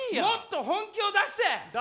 もっと本気を出して！